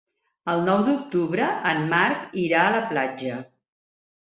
El nou d'octubre en Marc irà a la platja.